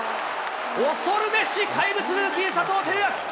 恐るべし怪物ルーキー、佐藤輝明。